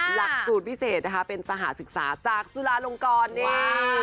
หลักสูตรพิเศษนะคะเป็นสหศึกษาจากจุฬาลงกรนี่